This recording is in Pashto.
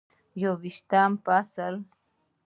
یوویشتم فصل: